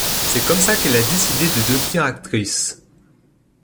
C'est comme ça qu'elle a décidé de devenir actrice.